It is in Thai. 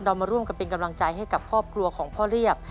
มาร่วมกันเป็นกำลังใจให้กับครอบครัวของพ่อเรียบ